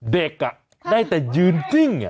เด็กน่ะได้แต่ยืนจริง